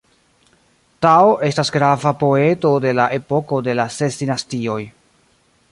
Tao estis grava poeto de la epoko de la Ses Dinastioj.